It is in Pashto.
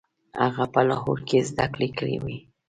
هغه په لاهور کې زده کړې کړې وې.